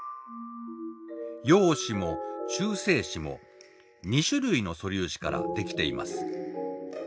陽子も中性子も２種類の素粒子から出来ています。